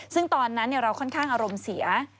ซึ่งตอนนั้นเราค่อนข้างอารมณ์เสีย